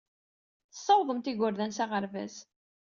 Tessawḍemt igerdan s aɣerbaz.